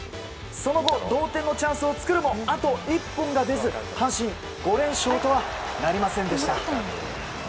その後、同点のチャンスを作るもあと１本が出ず阪神、５連勝とはなりませんでした。